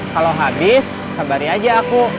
kalau habis sabari aja aku